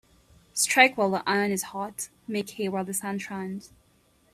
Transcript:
Strike while the iron is hot Make hay while the sun shines